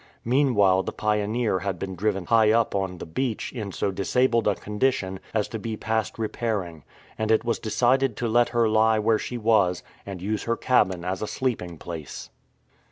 Meanwhile, the Pioneer had been driven high up on the beach in so disabled a condition as to be past repairing, and it was decided to let her lie where she was and use her cabin as a sleeping place.